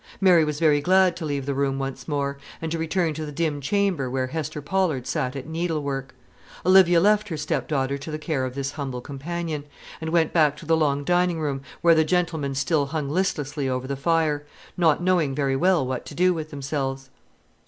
Mary was very glad to leave the room once more, and to return to the dim chamber where Hester Pollard sat at needlework. Olivia left her stepdaughter to the care of this humble companion, and went back to the long dining room, where the gentlemen still hung listlessly over the fire, not knowing very well what to do with themselves.